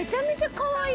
かわいい！